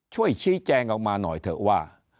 ช่วยชี้แจงออกมาหน่อยเถอะว่า